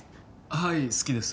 はい好きです。